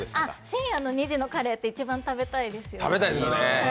深夜２時のカレーって一番食べたいですよね。